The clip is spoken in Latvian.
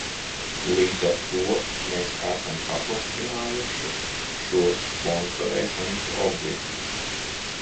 Līdz ar to mēs esam paplašinājuši šos sponsorēšanas objektus.